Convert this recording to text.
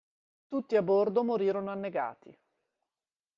Tutti a bordo morirono annegati.